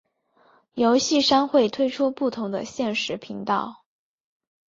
游戏商会推出不同的限时频道。